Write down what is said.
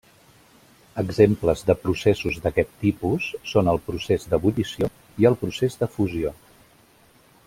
Exemples de processos d'aquest tipus són el procés d'ebullició i el procés de fusió.